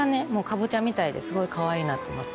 カボチャみたいですごいかわいいなと思って。